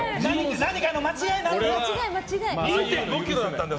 何かの間違いなんだよ。